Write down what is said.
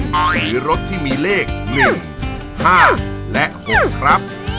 หรือรถที่มีเลข๑๕และ๖ครับ